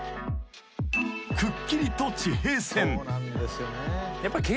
［くっきりと地平線］